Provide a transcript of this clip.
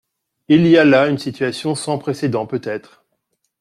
Il y a là une situation sans précèdent peut-être.